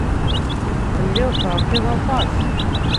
Telliḍ terfiḍ aṭas.